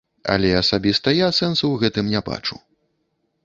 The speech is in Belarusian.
Але асабіста я сэнсу ў гэтым не бачу.